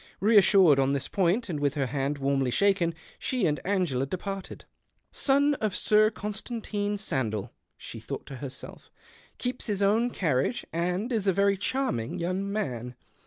Keassured on this point, and with her hand warmly shaken, she and Angela departed. " Son of Sir Constantine Sandell," she thought to herself, " keeps his own carriage, and is a very charming young man.